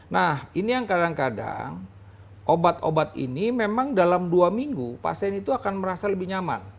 nah ini yang kadang kadang obat obat ini memang dalam dua minggu pasien itu akan merasa lebih nyaman